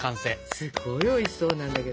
すごいおいしそうなんだけど。